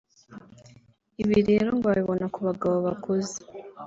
ibi rero ngo babibona ku bagabo bakuze